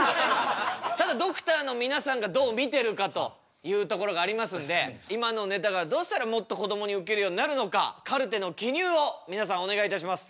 ただドクターの皆さんがどう見てるかというところがありますので今のネタがどうしたらもっとこどもにウケるようになるのかカルテの記入を皆さんお願いいたします。